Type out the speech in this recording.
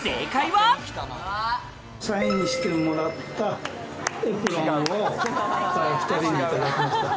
サインしてもらったエプロンを２人に頂きました。